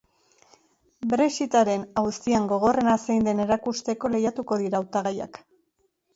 Brexit-aren auzian gogorrena zein den erakusteko lehiatuko dira hautagaiak.